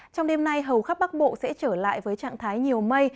trong đêm nay hầu khắp bắc bộ sẽ trở lại với trạng thái nhiều mây